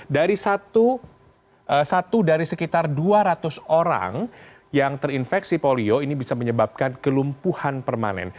dari satu dari sekitar dua ratus orang yang terinfeksi polio ini bisa menyebabkan kelumpuhan permanen